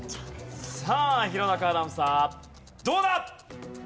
さあ弘中アナウンサーどうだ！？